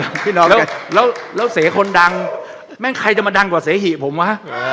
เสธีคนดังแม่งใครจะมาดังกว่าเสธีผมวะ